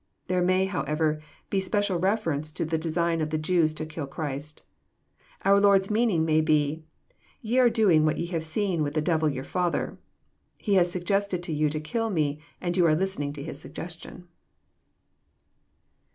There may, however, be special reference to the design of the Jews to kill Christ. Our Lord's meaning may be, Ye are doing what ye have seen with the devil your father. He has suggested to you to kill Me, and you are listening to his suggestion."